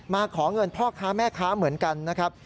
ขอเงินพ่อค้าแม่ค้าเหมือนกันนะครับ